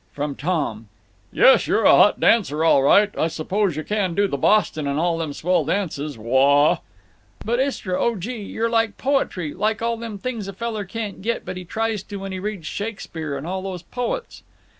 From Tom: "Yes, you're a hot dancer, all right. I suppose you can do the Boston and all them swell dances. Wah h h h h!" "—but Istra, oh, gee! you're like poetry—like all them things a feller can't get but he tries to when he reads Shakespeare and all those poets."